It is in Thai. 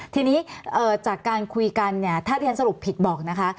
ทีนี้จากการคุยกันถ้าเรียนสรุปผิดบอกนะคะ